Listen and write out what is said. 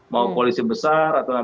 mau koalisi besar atau